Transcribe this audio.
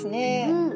うん。